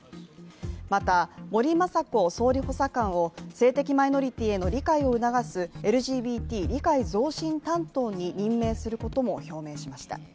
また、森まさこ総理補佐官を性的マイノリティへの理解を促すＬＧＢＴ理解増進担当に任命することも表明しました。